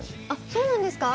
そうなんですか？